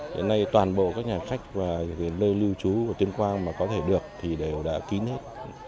hiện nay toàn bộ các nhà khách và nơi lưu trú của tuyên quang có thể được đều đã kín hết